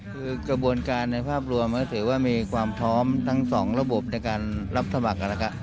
คือกระบวนการในภาพรวมก็ถือว่ามีความพร้อมทั้งสองระบบในการรับสมัครกันนะครับ